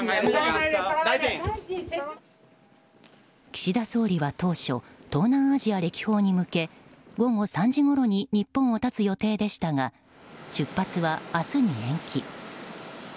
岸田総理は当初東南アジア歴訪に向け午後３時ごろに日本を発つ予定でしたが出発は明日に延期。